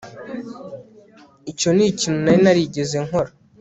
Icyo nikintu ntari narigeze nkora